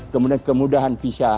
kemudian kemudahan visa